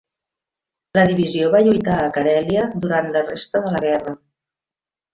La divisió va lluitar a Karelia durant la resta de la guerra.